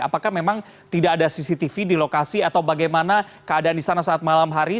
apakah memang tidak ada cctv di lokasi atau bagaimana keadaan di sana saat malam hari